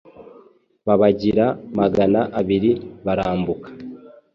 babagira magana abiri Barambuka,